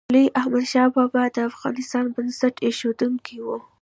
لوی احمدشاه بابا د افغانستان بنسټ ایښودونکی و.